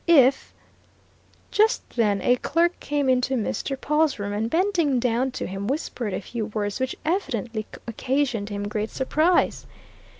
If " Just then a clerk came into Mr. Pawle's room, and bending down to him, whispered a few words which evidently occasioned him great surprise.